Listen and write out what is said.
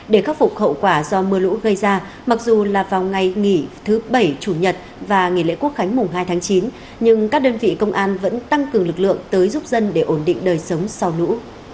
để khắc phục hậu quả do mưa lũ gây ra mặc dù là vào ngày nghỉ thứ bảy chủ nhật và nghỉ lễ quốc khánh mùng hai tháng chín nhưng các đơn vị công an vẫn tăng cường lực lượng tới giúp dân để ổn định đời sống sau lũ